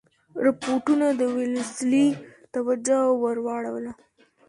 رپوټونو د ویلسلي توجه ور واړوله.